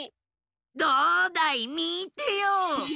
どうだいみてよ！